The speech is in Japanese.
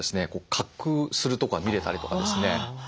滑空するとこが見れたりとかですね。